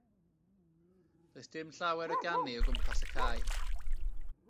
Does dim llawer o ganu o gwmpas y cae.